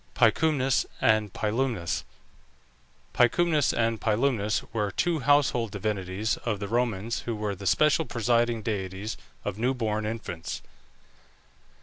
PICUMNUS AND PILUMNUS. Picumnus and Pilumnus were two household divinities of the Romans, who were the special presiding deities of new born infants.